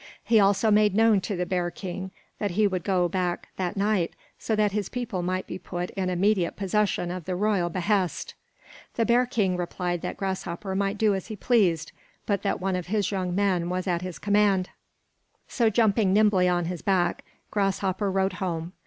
He also made known to the bear king that he would go back that night so that his people might be put in immediate possession of the royal behest. The bear king replied that Grasshopper might do as he pleased, but that one of his young men was at his command; so jumping nimbly on his back, Grasshopper rode home.